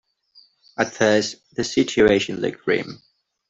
At first the situation looked grim.